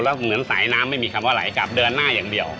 แล้วเหมือนสายน้ำไม่มีคำว่าไหลกลับเดินหน้าอย่างเดียว